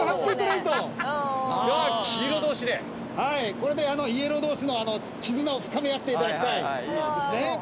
これでイエロー同士の絆を深め合っていただきたいですね。